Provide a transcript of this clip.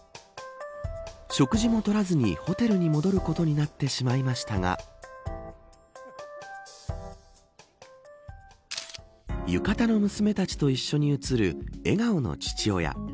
食事も取らずにホテルに戻ることになってしまいましたが浴衣の娘たちと一緒に写る笑顔の父親。